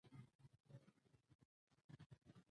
کوڅې ته له را ننوتلو سره مې پر هغو خلکو سترګې ولګېدې.